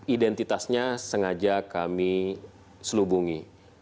identitasnya sengaja kami selubungi